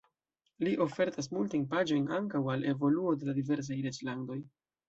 Li ofertas multajn paĝojn ankaŭ al evoluo de la diversaj reĝlandoj.